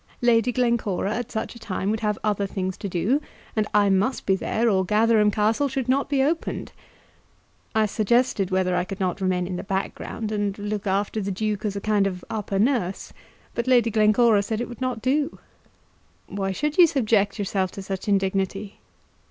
Lady Glencora at such a time would have other things to do, and I must be there, or Gatherum Castle should not be opened. I suggested whether I could not remain in the background and look after the Duke as a kind of upper nurse, but Lady Glencora said it would not do." "Why should you subject yourself to such indignity?"